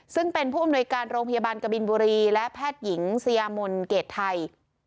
ซึ่งเป็นผู้อำนวยการโรงพยาบาลกบินบุรีและแพทย์หญิงสยามนเกรดไทย